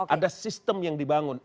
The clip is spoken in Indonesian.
ada sistem yang dibangun